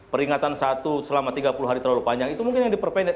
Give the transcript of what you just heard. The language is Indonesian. peringatan satu selama tiga puluh hari terlalu panjang itu mungkin yang diperpendek